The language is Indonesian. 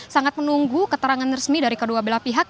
sangat menunggu keterangan resmi dari kedua belah pihak